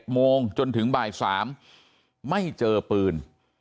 โมงจนถึงบ่าย๓ไม่เจอปืน